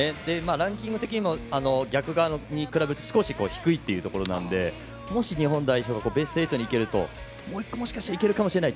ランキング的にも逆側に比べると少し低いというところなんでもし、日本代表がベスト８にいけるともう１個、もしかしたらいけるかもしれない。